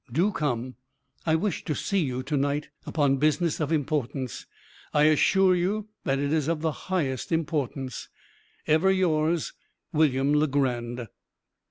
Do come. I wish to see you to night, upon business of importance. I assure you that it is of the highest importance. "Ever yours, "William Legrand."